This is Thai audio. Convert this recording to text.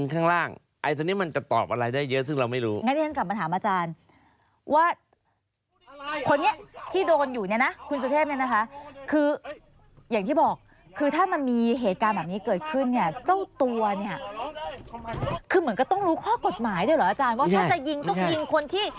คือเหมือนก็ต้องรู้ข้อกฎหมายด้วยหรออาจารย์ว่าถ้าจะยิงต้องยิงคนที่